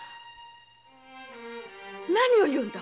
何を言うんだ